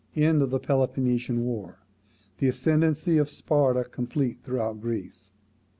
End of the Peloponnesian war. The ascendancy of Sparta complete throughout Greece.